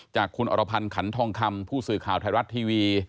จากคุณอรพันธ์ขันทองคำผู้สื่อข่าวไทยรัฐทีวี